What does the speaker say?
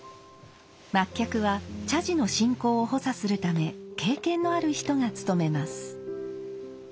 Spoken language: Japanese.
末客は茶事の進行を補佐するため経験のある人がつとめます。